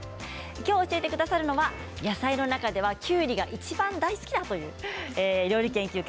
きょう教えてくださるのは野菜の中ではきゅうりがいちばん大好きだという料理研究家